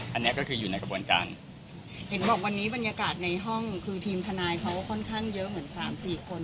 อันนี้ก็คืออยู่ในกระบวนการเห็นบอกวันนี้บรรยากาศในห้องคือทีมทนายเขาก็ค่อนข้างเยอะเหมือนสามสี่คน